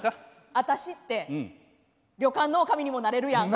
私って旅館のおかみにもなれるやん。